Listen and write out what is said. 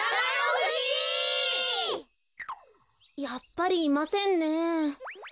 やっぱりいませんね。